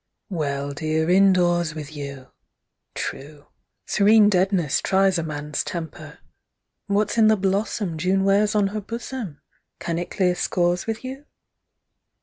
Well, dear, in doors with you! True! serene deadness Tries a man's temper. What's in the blossom June wears on her bosom? Can it clear scores with you?